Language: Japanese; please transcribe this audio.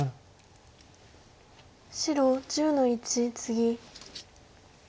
白１０の一ツギ。